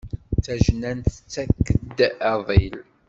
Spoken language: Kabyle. Tajnant tettak-d aḍil.